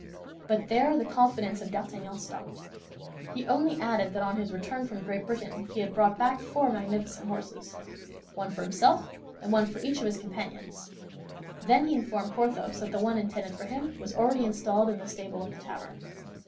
But there the confidence of D'Artagnan stopped. He only added that on his return from Great Britain he had brought back four magnificent horses—one for himself, and one for each of his companions; then he informed Porthos that the one intended for him was already installed in the stable of the tavern.